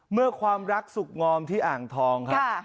เมื่อความรักสุขงอมที่อ่างทองค่ะ